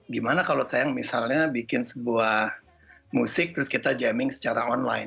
gimana kalau saya misalnya bikin sebuah musik terus kita jamming secara online